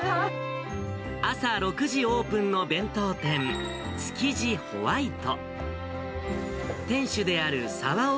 朝６時オープンの弁当店、築地ほわいと。